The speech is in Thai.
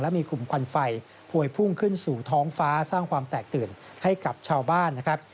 มีกลุ่มควันไฟพวยพุ่งขึ้นสู่ท้องฟ้าสร้างความแตกตื่นให้กับชาวบ้านนะครับ